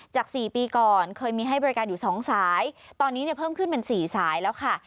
จาก๔ปีก่อนเคยมีให้บริการอยู่๒สายตอนนี้เนี่ยเพิ่มขึ้นเป็น๔สายแล้วค่ะ